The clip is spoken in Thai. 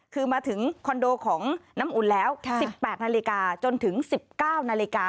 คือมาถึงคอนโดของน้ำอุ่นแล้ว๑๘นาฬิกาจนถึง๑๙นาฬิกา